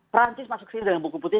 perhentian masuk sini dengan buku putin